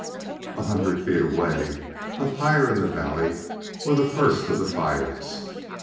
A hundred feet away, up higher in the valley, were the first of the fires.